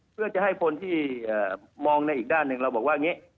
เพื่อจะให้คนที่มองในอีกด้านหนึ่ง